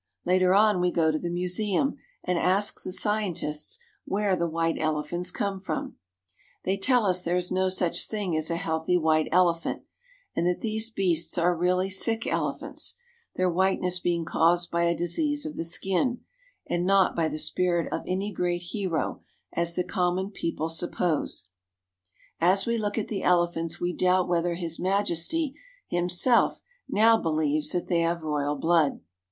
Later on we go to the museum and ask the scientists, where the white elephants come from. They tell us there is no such thing as a healthy white ele phant and that these beasts are really sick elephants, their whiteness being caused by a disease of the skin, and not by the spirit of any great hero, as the common people suppose. THE KING OF SIAM AND HIS GOVERNMENT 1 99 As we look at the elephants we doubt whether His Majesty himself now believes that they have royal blood.